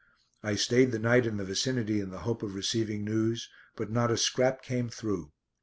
I stayed the night in the vicinity in the hope of receiving news; but not a scrap came through.